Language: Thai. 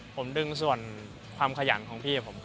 ผมดึงส่วนพันธุ์ความขยันของพี่ผม